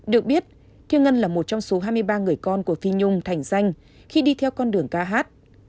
được biết thiêng ngân là một trong số hai mươi ba người con của phi nhung thành danh khi đi theo con đường ca hát